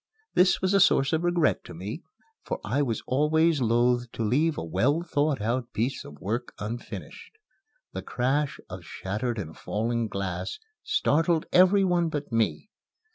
This was a source of regret to me, for I was always loath to leave a well thought out piece of work unfinished. The crash of shattered and falling glass startled every one but me.